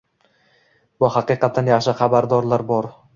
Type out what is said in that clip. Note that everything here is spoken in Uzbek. Bu haqiqatdan yaxshi xabardorlar bor